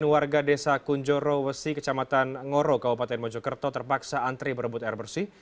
warga desa kunjoro wesi kecamatan ngoro kabupaten mojokerto terpaksa antri berebut air bersih